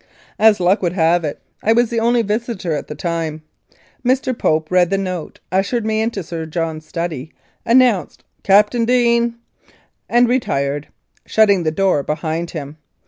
As luck would have it, I was the only visitor at the time. Mr. Pope read the note, ushered me into Sir John's study, announced "Captain Deane," and retired, shutting the door behind him.